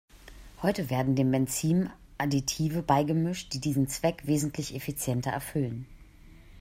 Heute werden dem Benzin Additive beigemischt, die diesen Zweck wesentlich effizienter erfüllen.